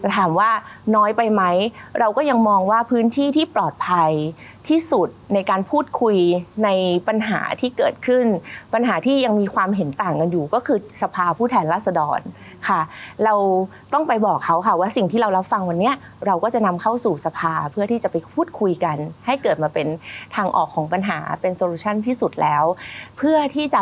ถามว่าน้อยไปไหมเราก็ยังมองว่าพื้นที่ที่ปลอดภัยที่สุดในการพูดคุยในปัญหาที่เกิดขึ้นปัญหาที่ยังมีความเห็นต่างกันอยู่ก็คือสภาผู้แทนรัศดรค่ะเราต้องไปบอกเขาค่ะว่าสิ่งที่เรารับฟังวันนี้เราก็จะนำเข้าสู่สภาเพื่อที่จะไปพูดคุยกันให้เกิดมาเป็นทางออกของปัญหาเป็นโซลูชั่นที่สุดแล้วเพื่อที่จะ